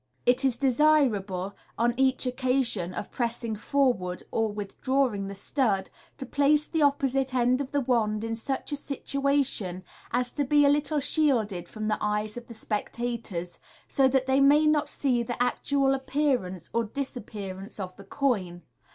It is desirable, on each occasion of pressing forward or withdraw ing the stud, to place the opposite end of the wand in such a situa tion as to be a little shielded from the eyes of the spectators, so that they may not see the actual apDearance or disappearance of the coin.